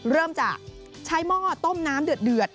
เริ่มจะใช้หม้อต้มน้ำเดือด